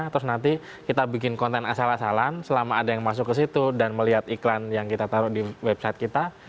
terus nanti kita bikin konten asal asalan selama ada yang masuk ke situ dan melihat iklan yang kita taruh di website kita